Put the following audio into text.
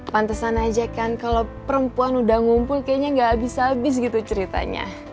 pantesan aja kan kalau perempuan udah ngumpul kayaknya nggak habis habis gitu ceritanya